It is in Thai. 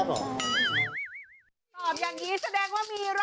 ตอบอย่างนี้แสดงว่ามี๑๐๐